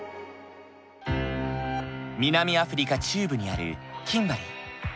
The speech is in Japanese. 南アフリカ中部にあるキンバリー。